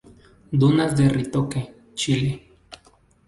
Dunas de Ritoque, Chile.